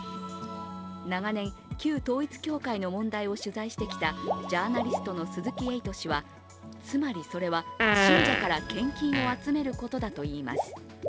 長年、旧統一教会の問題を取材してきたジャーナリストの鈴木エイト氏はつまりそれは信者から献金を集めることだといいます。